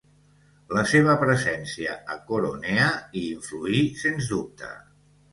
La seva presència a Coronea hi influí sens dubte